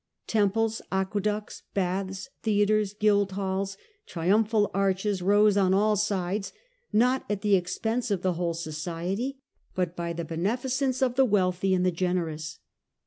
Temples, aqueducts, baths, theatres, guildhalls, triumphal arches rose on all sides, not at the expense of the whole society, but by the beneficence of the wealthy and the generous.